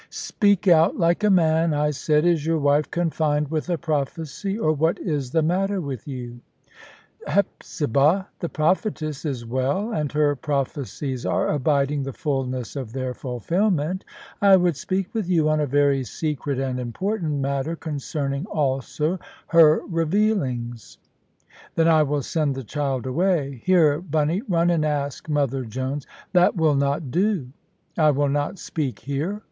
"Speak out, like a man," I said; "is your wife confined with a prophecy, or what is the matter with you?" "Hepzibah, the prophetess, is well; and her prophecies are abiding the fulness of their fulfilment. I would speak with you on a very secret and important matter, concerning also her revealings." "Then I will send the child away. Here, Bunny, run and ask mother Jones " "That will not do; I will not speak here.